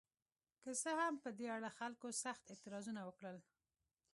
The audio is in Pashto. که څه هم په دې اړه خلکو سخت اعتراضونه وکړل.